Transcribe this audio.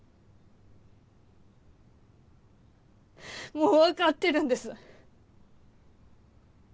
もう分かってるんです！